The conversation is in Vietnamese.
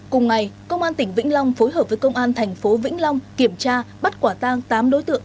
cùng ngày công an tỉnh vĩnh long phối hợp với công an thành phố vĩnh long kiểm tra bắt quả tang tám đối tượng